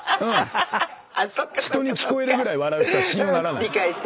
人に聞こえるぐらい笑う人は信用ならない。